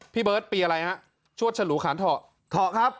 พี่เบิร์ตปีอะไรฮะชวดฉลูขานเถาะเถาะครับ